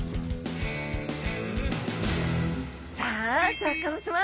さあシャーク香音さま